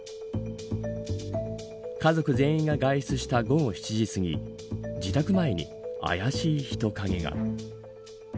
家族全員が外出した午後７時すぎ自宅前に、あやしい人影が。